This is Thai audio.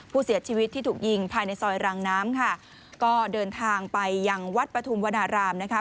ผู้เสียชีวิตที่ถูกยิงภายในซอยรางน้ำค่ะก็เดินทางไปยังวัดปฐุมวนารามนะคะ